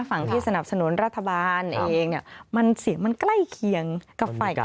ฝั่งที่สนับสนุนรัฐบาลเองเนี่ยมันเสียงมันใกล้เคียงกับฝ่ายค้า